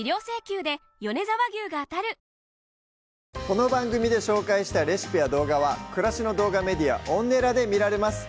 この番組で紹介したレシピや動画は暮らしの動画メディアＯｎｎｅｌａで見られます